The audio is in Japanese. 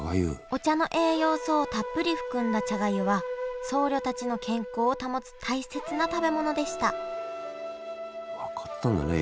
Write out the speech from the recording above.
お茶の栄養素をたっぷり含んだ茶がゆは僧侶たちの健康を保つ大切な食べ物でした分かってたんだね